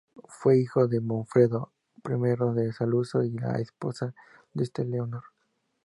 Fue hijo de Manfredo I de Saluzzo y la esposa de este, Leonor.